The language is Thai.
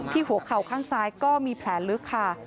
หัวเข่าข้างซ้ายก็มีแผลลึกค่ะ